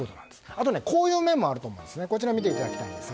あと、こういう面もあると思います。